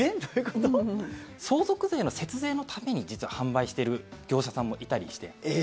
相続税の節税のために実は販売してる業者さんもいたりして。